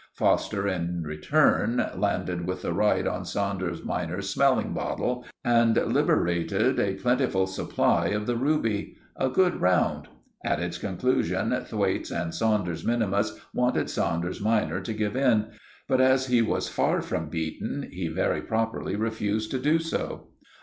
Foster in return landed with the right on Saunders minor's smelling bottle, and liberated a plentiful supply of the ruby. A good round. At its conclusion, Thwaites and Saunders minimus wanted Saunders minor to give in; but as he was far from beaten, he very properly refused to do so.